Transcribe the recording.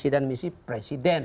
dan misi presiden